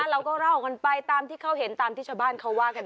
เราก็เล่ากันไปตามที่เขาเห็นตามที่ชาวบ้านเขาว่ากัน